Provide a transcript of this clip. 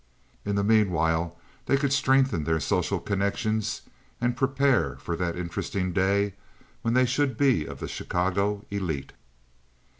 In the mean while they could strengthen their social connections and prepare for that interesting day when they should be of the Chicago elite.